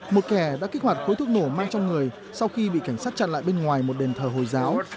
một kẻ đã kích hoạt khối thuốc nổ mang trong người sau khi bị cảnh sát chặn lại bên ngoài một đền thờ hồi giáo